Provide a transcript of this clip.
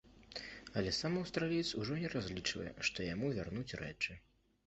Але сам аўстраліец ужо не разлічвае, што яму вернуць рэчы.